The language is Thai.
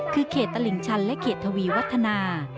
คือเขตตลิ่งชันและเขตทวีวัฒนา